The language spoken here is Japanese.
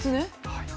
はい。